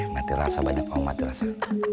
mati rasa banyak omong mati rasa